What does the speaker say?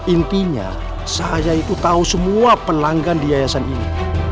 intinya saya itu tahu semua pelanggan di yayasan ini